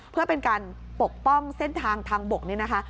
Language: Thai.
เพื่อเป็นการปกป้องเส้นทางทางบกนี่นะคะ